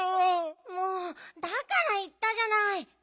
もうだからいったじゃない。